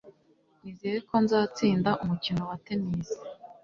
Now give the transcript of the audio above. Nizeye ko nzatsinda umukino wa tennis.